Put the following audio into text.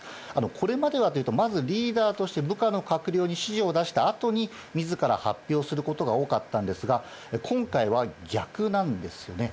これまではというと、まずリーダーとして部下の閣僚に指示を出したあとに、みずから発表することが多かったんですが、今回は逆なんですよね。